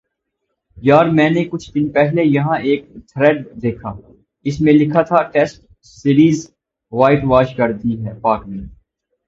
یار میں نے کچھ دن پہلے یہاں ایک تھریڈ دیکھا اس میں لکھا تھا ٹیسٹ سیریز وائٹ واش کر دی ہے پاک نے